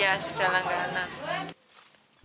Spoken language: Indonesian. ya sudah langganan